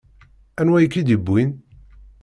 Anwa i k-id-iwwin?